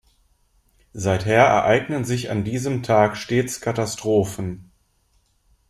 Seither ereignen sich an diesem Tag stets Katastrophen.